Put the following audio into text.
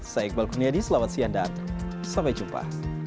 saya iqbal kuniadi selamat siang dan sampai jumpa